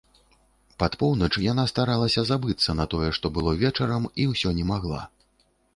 Пад поўнач яна старалася забыцца на тое, што было вечарам, і ўсё не магла.